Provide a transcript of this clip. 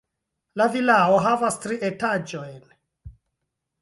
La vilao havas tri etaĝojn.